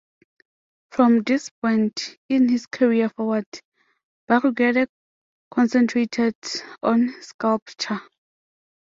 From this point in his career forward, Berruguete concentrated on sculpture.